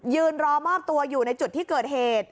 ยืนรอมอบตัวอยู่ในจุดที่เกิดเหตุ